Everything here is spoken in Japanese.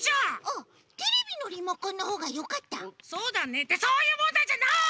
そうだねってそういうもんだいじゃない！